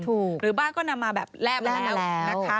หรือบ้านก็นำมาแบบแล้ว